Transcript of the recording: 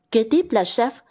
kế tiếp là safe